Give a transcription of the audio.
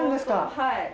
はい。